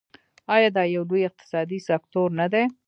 آیا دا یو لوی اقتصادي سکتور نه دی؟